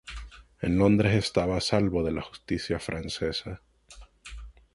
En Londres estaba a salvo de la justicia francesa.